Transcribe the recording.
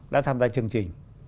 đã tham gia chương trình